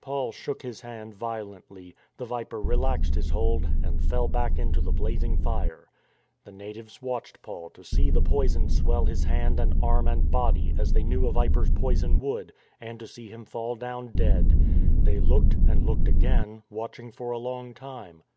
Paul shook his hand violently. The viper relaxed his hold and fell back into the blazing fire. The natives watched Paul to see the poison swell his hand and arm and body, as they knew a viper's poison would; and to see him fall down dead. They looked and looked again — watching for a long time.